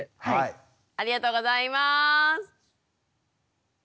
ありがとうございます。